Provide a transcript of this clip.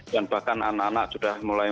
dan bahkan anak anak sudah mulai